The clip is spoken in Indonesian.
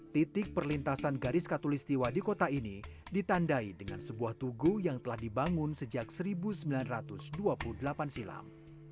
titik perlintasan garis katulistiwa di kota ini ditandai dengan sebuah tugu yang telah dibangun sejak seribu sembilan ratus dua puluh delapan silam